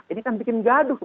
ini kan bikin gaduh